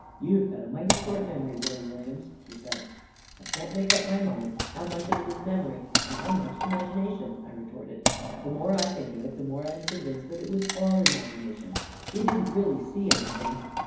" You've got a mighty short memory, Billy Wil liams !" she said. 44 1 can't make up my mind how much of it is memory and how much imagination 1 " I retorted. 44 The more I think of it, the more I am convinced that it was all imagination. We didn't really see anything